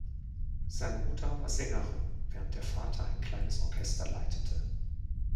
Seine Mutter war Sängerin, während der Vater ein kleines Orchester leitete.